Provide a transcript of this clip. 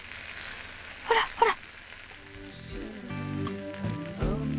ほらほら。